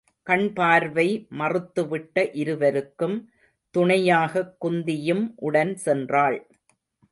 கண் பார்வை மறுத்துவிட்ட இருவருக்கும் துணையாகக் குந்தியும் உடன் சென்றாள்.